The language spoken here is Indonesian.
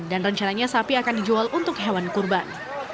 dan rencananya sapi akan dijual untuk hewan kurban